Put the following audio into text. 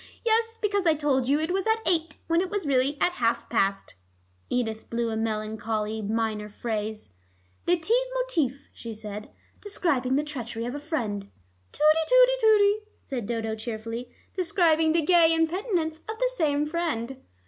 "Yes, because I told you it was at eight, when it was really at half past." Edith blew a melancholy minor phrase. "Leit motif," she said, "describing the treachery of a friend." "Tooty, tooty, tooty," said Dodo cheerfully, "describing the gay impenitence of the same friend."